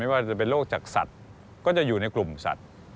ว่าจะเป็นโรคจากสัตว์ก็จะอยู่ในกลุ่มสัตว์